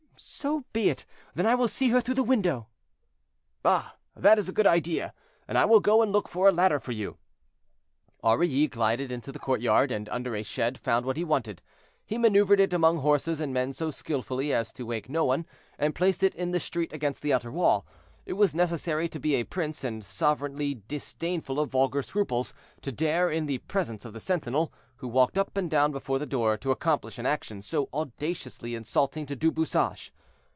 "So be it; then I will see her through the window." "Ah! that is a good idea, and I will go and look for a ladder for you." Aurilly glided into the courtyard, and under a shed found what he wanted. He maneuvered it among horses and men so skillfully as to wake no one, and placed it in the street against the outer wall. It was necessary to be a prince, and sovereignly disdainful of vulgar scruples, to dare, in the presence of the sentinel, who walked up and down before the door, to accomplish an action so audaciously insulting to Du Bouchage.